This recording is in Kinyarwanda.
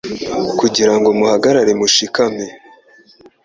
kugira ngo muhagarare mushikamye